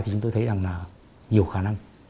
thì chúng tôi thấy rằng là nhiều khả năng